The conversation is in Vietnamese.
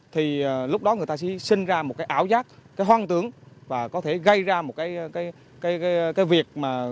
thì lúc đó người ta sẽ sinh ra một cái ảo giác hoang tướng và có thể gây ra một cái việc